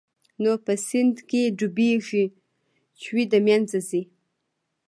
نو په سيند کښې ډوبېږي چوي د منځه ځي.